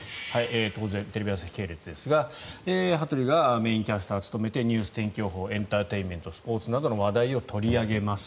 当然、テレビ朝日系列ですが羽鳥がメインキャスターを務めてニュース、天気予報エンターテインメントスポーツなどの話題を取り上げます。